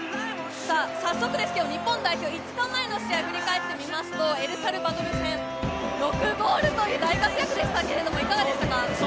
早速ですけど日本代表、５日前の試合を振り返ってみますと、エルサルバドル戦、６ゴールという大活躍でしたけどいかがでした？